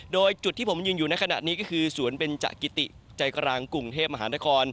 โดยจุดที่ผมยืนอยู่ในขณะนี้ก็คือสวนเบนจกิติใจกลางกรุงเทพมหานคร